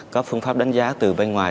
có phương pháp đánh giá từ bên ngoài